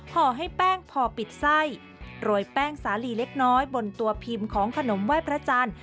ห่อให้แป้งพอปิดไส้โรยแป้งสาลีเล็กน้อยบนตัวพิมพ์ของขนมไหว้พระจันทร์